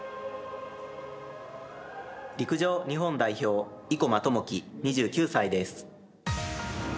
陸上日本代表生馬知季、２９歳です。